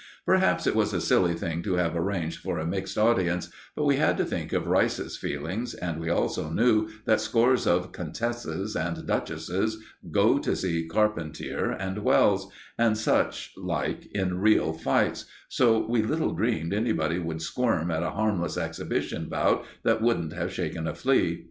Perhaps it was a silly thing to have arranged for a mixed audience; but we had to think of Rice's feelings, and we also knew that scores of countesses and duchesses go to see Carpentier and Wells, and such like in real fights, so we little dreamed anybody would squirm at a harmless exhibition bout that wouldn't have shaken a flea.